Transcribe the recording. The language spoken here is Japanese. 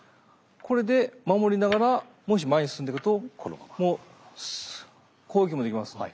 これで守りながらもし前に進んでいくと攻撃もできますね。